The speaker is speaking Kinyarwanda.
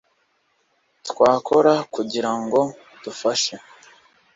twakora kugira ngo dufashe